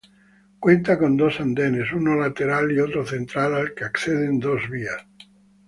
Cuenta con dos andenes, uno lateral y otro central al que acceden dos vías.